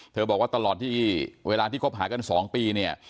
บอกว่าตลอดที่เวลาที่คบหากัน๒ปีเนี่ย